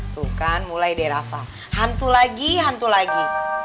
tuh kan mulai derafah hantu lagi hantu lagi